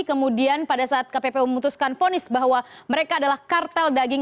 kemudian pada saat kppu memutuskan ponis bahwa mereka adalah kartel daging